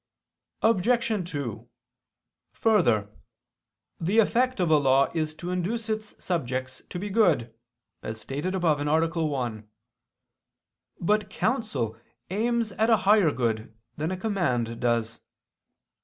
Obj. 2: Further, the effect of a law is to induce its subjects to be good, as stated above (A. 1). But counsel aims at a higher good than a command does.